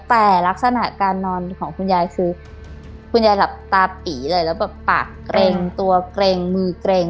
แต่ลักษณะการนอนของคุณยายคือคุณยายหลับตาปีเลยแล้วแบบปากเกร็งตัวเกร็งมือเกร็ง